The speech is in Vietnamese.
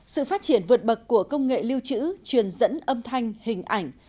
sự phát triển vượt bậc của công nghệ lưu trữ truyền dẫn âm thanh hình ảnh